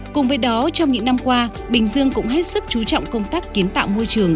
cùng với đó trong những năm qua bình dương cũng hết sức chú trọng công tác kiến tạo môi trường